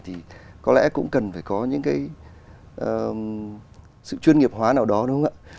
thì có lẽ cũng cần phải có những cái sự chuyên nghiệp hóa nào đó đúng không ạ